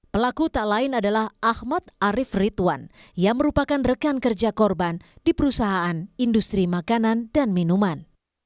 pelaku tak lain adalah ahmad arief rituan yang merupakan rekan kerja korban di perusahaan industri makanan dan minuman